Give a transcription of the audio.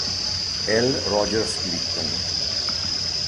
L. Rogers Lytton